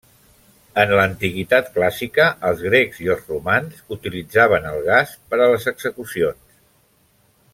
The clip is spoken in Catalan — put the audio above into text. En l'antiguitat clàssica, els grecs i els romans utilitzaven el gas per a les execucions.